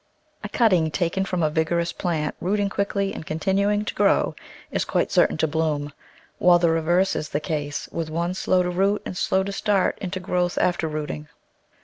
A cutting taken from a vigorous plant, rooting quickly, and continuing to grow, is quite certain to bloom — while the reverse is the case with one slow to root and slow to start into growth after rooting.